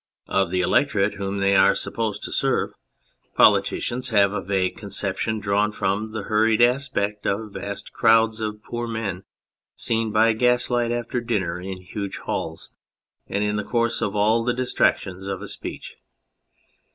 Of the electorate whom they are supposed to serve politicians have a vague conception, drawn from the hurried aspect of vast crowds of poor men seen by gaslight after dinner in huge halls, and in the course of all the distractions of a speech.